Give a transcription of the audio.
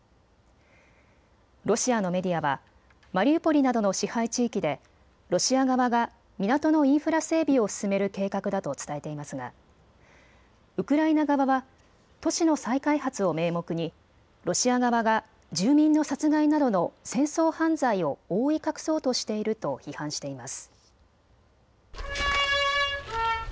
ロシアのメディアはマリウポリなどの支配地域でロシア側が港のインフラ整備を進める計画だと伝えていますがウクライナ側は都市の再開発を名目にロシア側が住民の殺害などの戦争犯罪を覆い隠そうとしていると批判しています。